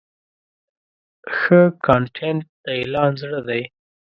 ښه کانټینټ د اعلان زړه دی.